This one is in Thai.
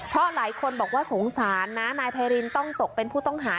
เพราะหลายคนบอกว่าสงสารนะนายไพรินต้องตกเป็นผู้ต้องหา